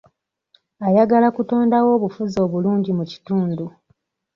Ayagala kutondawo obufuzi obulungi mu kitundu.